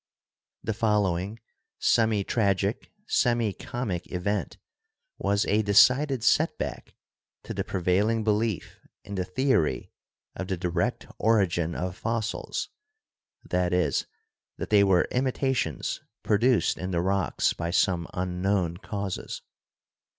The following semi tragic, semi comic event was a decided setback to the prevailing belief in the theory of the direct origin of fossils — i.e., that they were imitations produced in the rocks by some unknown causes.